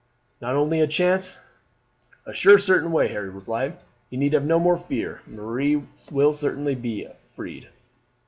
"Not only a chance?" "A sure, certain way," Harry replied. "You need have no more fear; Marie will certainly be freed."